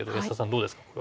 どうですかこれ。